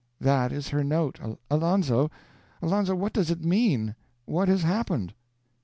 That is her note. Alonzo, Alonzo, what does it mean? What has happened?"